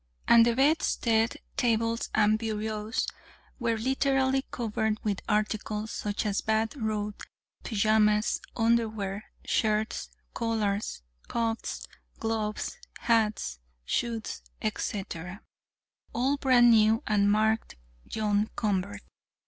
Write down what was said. And the bedstead, tables and bureaus were literally covered with articles, such as a bath robe, pajamas, underwear, shirts, collars, cuffs, gloves, hats, shoes, etc., all brand new and marked "John Convert."